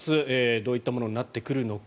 どういったものになってくるのか。